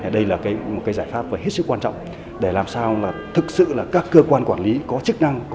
đây là một giải pháp hết sức quan trọng để làm sao các cơ quan quản lý có chức năng